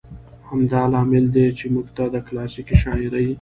همدا لامل دى، چې موږ ته د کلاسيکې شاعرۍ